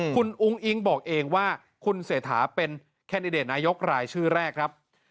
คุณอุ้งอิ๊งบอกเองว่าคุณเศรษฐาเป็นแคนดิเดตนายกรายชื่อแรกครับ